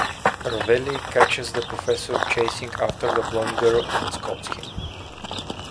Ravelli catches the Professor chasing after the blonde girl and scolds him.